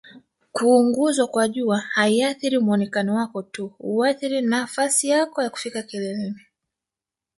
kuunguzwa kwa jua haiathiri muonekano wako tu huathiri nafasai yako ya kufika kileleni